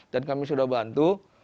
dan kami sudah bantu